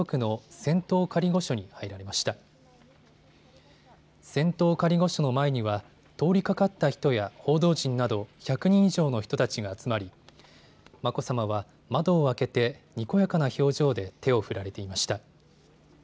仙洞仮御所の前には通りかかった人や報道陣など１００人以上の人たちが集まり眞子さまは窓を開けてにこやかな表情で手を振られていました。